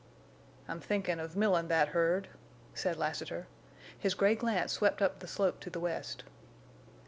"I'm thinkin' of millin' that herd," said Lassiter. His gray glance swept up the slope to the west.